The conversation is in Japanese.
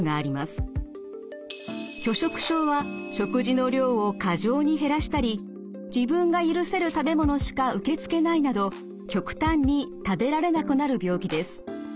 拒食症は食事の量を過剰に減らしたり自分が許せる食べ物しか受け付けないなど極端に食べられなくなる病気です。